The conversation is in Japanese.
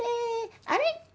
あれ？